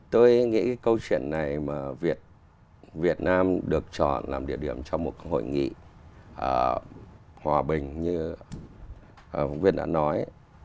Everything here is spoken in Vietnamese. tôi nghĩ cái câu chuyện này mà việt nam được chọn làm địa điểm trong một hội nghị hòa bình như việt nam nói